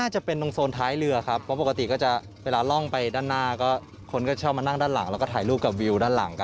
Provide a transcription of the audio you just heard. ชอบมานั่งด้านหลังแล้วก็ถ่ายรูปกับวิวด้านหลังกัน